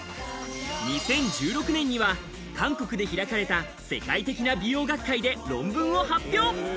２０１６年には韓国で開かれた世界的な美容学会で論文を発表。